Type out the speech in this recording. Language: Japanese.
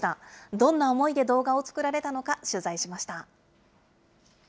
どんな思いで動画を作られたのか、取材しました。